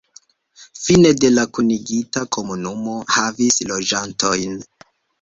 Fine de la kunigita komunumo havis loĝantojn.